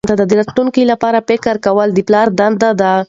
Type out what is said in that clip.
د راتلونکي لپاره فکر کول د پلار دنده ده.